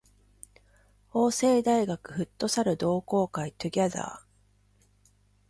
法政大学フットサル同好会 together